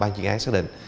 ban chuyên án xác định